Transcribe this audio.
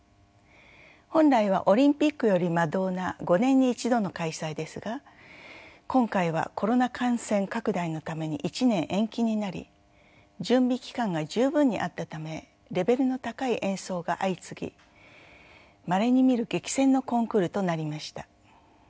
本来はオリンピックより間遠な５年に一度の開催ですが今回はコロナ感染拡大のために１年延期になり準備期間が十分にあったためレベルの高い演奏が相次ぎまれに見る激戦のコンクールとなりました。